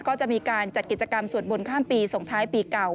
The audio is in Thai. ก็จะมีการจัดกิจกรรมสวดบนข้ามปีส่งท้ายปีเก่า